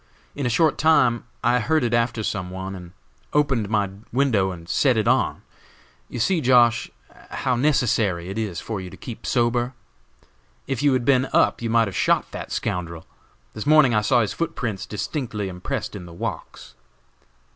In a short time I heard it after some one, and opened my window and set it on. You see, Josh., how necessary it is for you to keep sober. If you had been up you might have shot that scoundrel. This morning I saw his footprints distinctly impressed in the walks."